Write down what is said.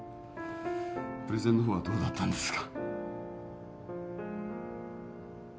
プレゼンのほうはどうだったんですか？